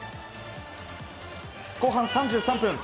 後半３３分。